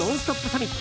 サミット。